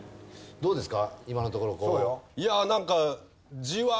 どうですか？